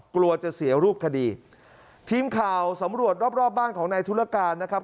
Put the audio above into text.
กลัวจะเสียรูปคดีทีมข่าวสำรวจรอบรอบบ้านของนายธุรการนะครับ